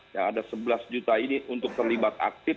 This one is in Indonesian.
ya ada sebelas juta ini untuk terlibat aktif